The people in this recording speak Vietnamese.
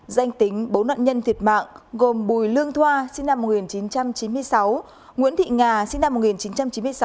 danh tính bốn nạn nhân thiệt mạng gồm bùi lương thoa sinh năm một nghìn chín trăm chín mươi sáu nguyễn thị nga sinh năm một nghìn chín trăm chín mươi sáu